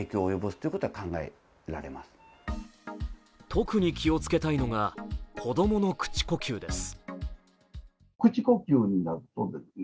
特に気をつけたいのが子供の口呼吸です。